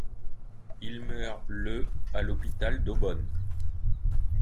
Il meurt le à l'hôpital d'Eaubonne.